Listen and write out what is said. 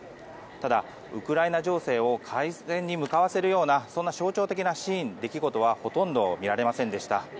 ただ、ウクライナ情勢を改善に向かわせるようなそんな象徴的なシーン出来事はほとんど見られませんでした。